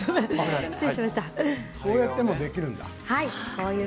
こうやってもできるんだ。